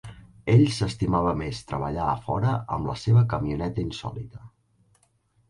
Ell s'estimava més treballar a fora amb la seva camioneta insòlita.